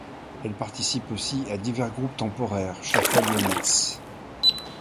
Elle participe aussi à divers groupes temporaires Shuffle Units.